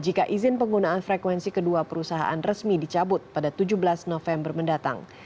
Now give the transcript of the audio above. jika izin penggunaan frekuensi kedua perusahaan resmi dicabut pada tujuh belas november mendatang